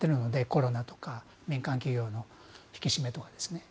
コロナとか民間企業の引き締めとかで。